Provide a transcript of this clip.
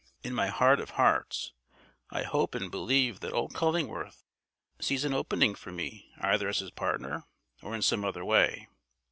In my heart of hearts I hope and believe that old Cullingworth sees an opening for me either as his partner or in some other way.